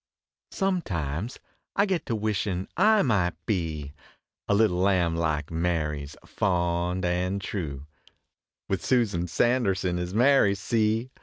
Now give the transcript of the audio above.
Sometimes I get to wishin I might be A little lamb like Mary s, fond and true, With Susan Sanderson as Mary, see?